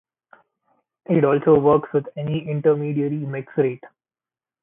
It also works with any intermediary mix rate.